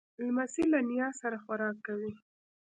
لمسی له نیا سره خوراک کوي.